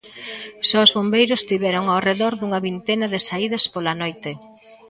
Só os bombeiros tiveron ao redor dunha vintena de saídas pola noite.